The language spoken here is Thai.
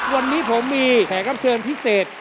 วันนี้ผมมีแขกรับเชิญพิเศษ